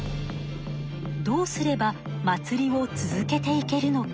どうすれば祭りを続けていけるのか。